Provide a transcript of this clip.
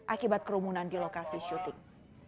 akibat kerumunan di lokasi syuting